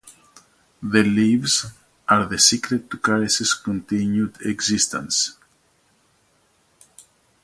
The leaves are the secret to Kharis' continued existence.